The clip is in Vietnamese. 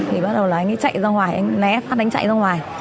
thì bắt đầu là anh ấy chạy ra ngoài anh né phát đánh chạy ra ngoài